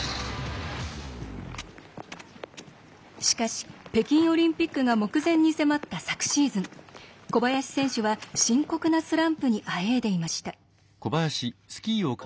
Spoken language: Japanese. しかし北京オリンピックが目前に迫った昨シーズン小林選手は深刻なスランプにあえいでいました。